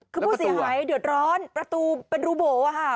คือผู้เสียหายเดือดร้อนประตูเป็นรูโบ๋ค่ะ